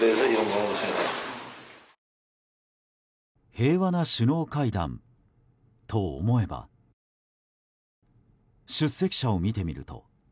平和な首脳会談と思えば出席者を見てみると。